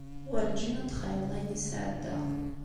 Werǧin ad d-txayleḍ ayen i sɛeddaɣ.